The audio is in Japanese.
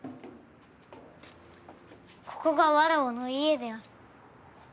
ここがわらわの家である。